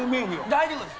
大丈夫です。